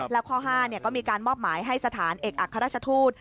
แล้วข้อ๕ก็มีการมอบหมายให้สถานเอกอัครราชทูต